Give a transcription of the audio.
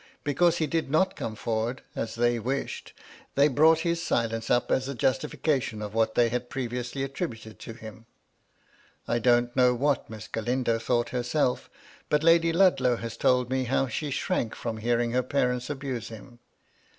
Because he did not come forward, as they wished, they brought his silence up as a justification of what they had previously attributed to him. I don^t know what Miss Galindo thought herself; but Lady Ludlow has told me how she shrank from hearing her parents abuse him.